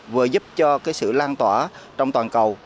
vừa giúp cho sự lan tỏa trong toàn cầu